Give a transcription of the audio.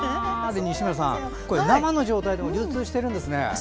西村さん、生の状態でも流通してるんですね。